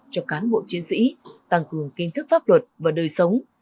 cho cán bộ chiến sĩ tăng cường kinh thức pháp luật và đời sống